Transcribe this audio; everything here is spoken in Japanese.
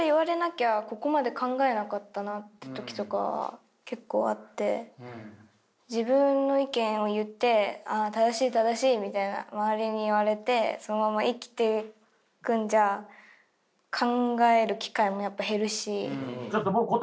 って時とかは結構あって自分の意見を言って「正しい正しい」みたいな周りに言われてそのまま生きていくんじゃ考える機会もやっぱ減るし。